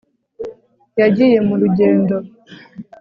Yagiye mu rugendo